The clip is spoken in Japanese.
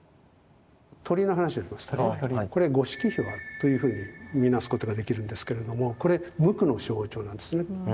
鳥の話をしますとねこれゴシキヒワというふうにみなすことができるんですけれどもこれ無垢の象徴なんですね。